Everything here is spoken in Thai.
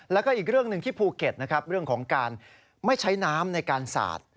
แล้วก็อีกเรื่องหนึ่งที่ภูเก็ตนะครับเรื่องของการไม่ใช้น้ำในการสาด